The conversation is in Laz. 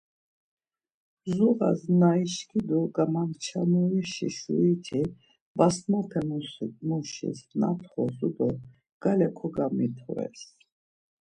Zuğas na işkidu gamamçamurişi şuriti basmape muşis natxozu do gale kogamitores.